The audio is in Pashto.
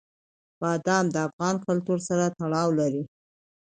بادام د افغان کلتور سره تړاو لري.